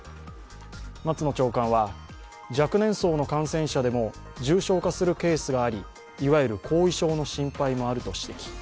松野長官は、若年層の感染者でも重症化するケースがあり、いわゆる後遺症の心配もあると指摘。